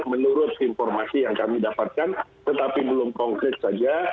menurut informasi yang kami dapatkan tetapi belum konkret saja